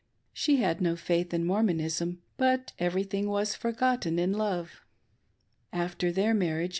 She had no faith in Mormonism, but every thing was forgotten in love. After their marriage.